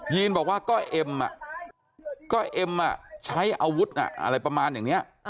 ีนบอกว่าก็เอ็มก็เอ็มใช้อาวุธอะไรประมาณอย่างนี้